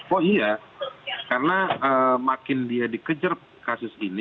oh iya karena makin dia dikejar kasus ini